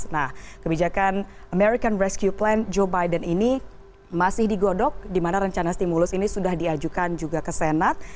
nah kebijakan american rescue plan joe biden ini masih digodok di mana rencana stimulus ini sudah diajukan juga ke senat